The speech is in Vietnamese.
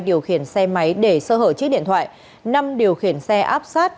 điều khiển xe máy để sơ hở chiếc điện thoại năm điều khiển xe áp sát